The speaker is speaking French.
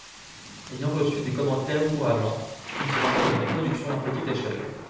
Ayant reçu des commentaires encourageants, il se lança dans une production à petite échelle.